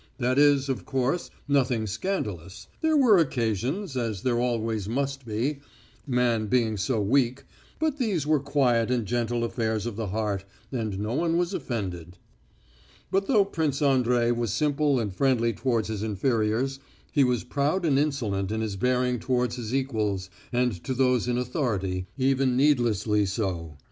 That is, of course, nothing scandalous. There were occasions, as there always must be, man being so weak, but these were quiet and gentle affairs of the heart, and no one was offended. But though Prince Andrey was simple and friendly towards his inferiors, he was proud and insolent in his bearing towards his equals and to those in authority, even needlessly so.